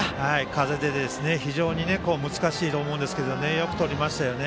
風で非常に難しいと思うんですけどねよくとりましたよね。